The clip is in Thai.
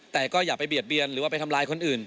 แต่ก็อย่าไปเบียดเบียนหรือว่าไปทำร้ายคนอื่น